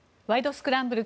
スクランブル」